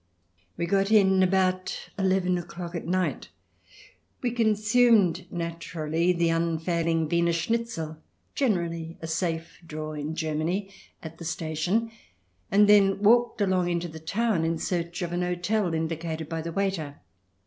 We got in about eleven o'clock at night. We consumed, naturally, the unfailing Wiener Schnitzel (generally a safe draw in Germany) at the station, and then walked along into the town, in search of an hotel indicated by the waiter.